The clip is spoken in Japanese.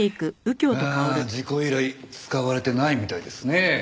ああ事故以来使われてないみたいですね。